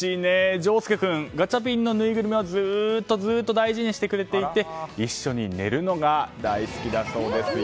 丞亮君ガチャピンのぬいぐるみをずっとずっと大事にしてくれて一緒に寝るのが大好きだそうですよ。